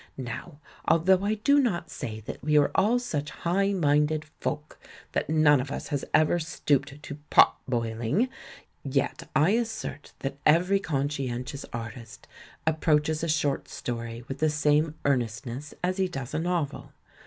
Now, although I do not say that we are all such high minded folk that none of us has ever stooped to "i^ot boiling," yet I assert that every conscientious artist approaches a short story with the same earnestness as he does a nov el.